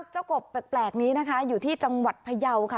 กบแปลกนี้นะคะอยู่ที่จังหวัดพยาวค่ะ